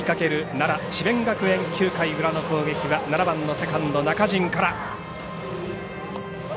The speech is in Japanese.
奈良、智弁学園９回裏の攻撃は７番セカンド中陳から。